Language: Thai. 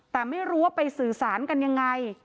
แต่ไม่รู้ว่าไปสื่อสารกันยังไง